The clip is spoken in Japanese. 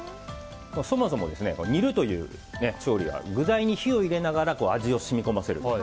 そもそも煮るという調理は具材に火を入れながら味を染み込ませる。